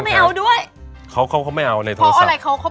เขาบอกว่าอะไรคือเขาไม่เอา